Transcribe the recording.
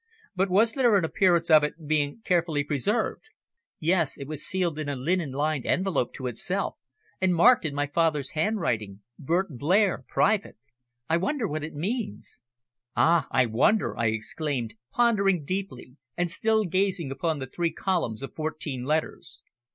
"But was there an appearance of it being carefully preserved?" "Yes, it was sealed in a linen lined envelope to itself, and marked in my father's handwriting, `Burton Blair private.' I wonder what it means?" "Ah! I wonder," I exclaimed, pondering deeply, and still gazing upon the three columns of fourteen letters.